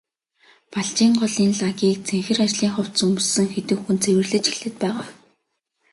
Балжийн голын лагийг цэнхэр ажлын хувцас өмссөн хэдэн хүн цэвэрлэж эхлээд байгаа.